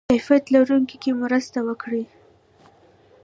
کیفیت لوړونه کې مرسته وکړي.